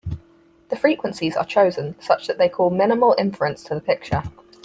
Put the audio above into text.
The frequencies are chosen such that they cause minimal interference to the picture.